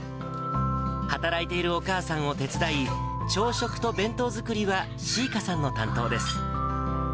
働いているお母さんを手伝い、朝食と弁当作りはしいかさんの担当です。